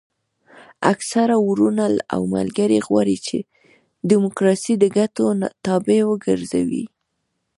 اکثره وروڼه او ملګري غواړي چې ډیموکراسي د ګټو تابع وګرځوي.